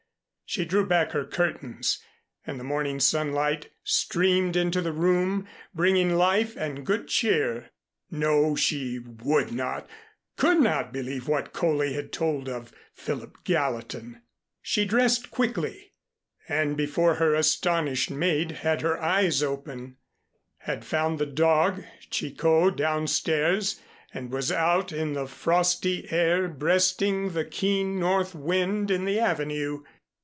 She drew back her curtains and the morning sunlight streamed into the room bringing life and good cheer. No, she would not could not believe what Coley had told of Philip Gallatin. She dressed quickly, and before her astonished maid had her eyes open, had found the dog, Chicot, downstairs, and was out in the frosty air breasting the keen north wind in the Avenue.